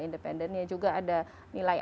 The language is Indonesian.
independennya juga ada nilai